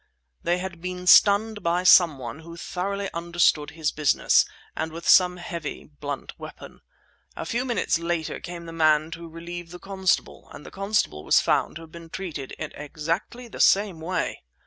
They had been stunned by someone who thoroughly understood his business, and with some heavy, blunt weapon. A few minutes later came the man to relieve the constable; and the constable was found to have been treated in exactly the same way!"